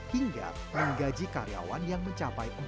hingga menggaji karyawan yang mencapai empat puluh orang